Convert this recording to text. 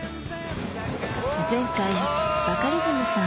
前回バカリズムさん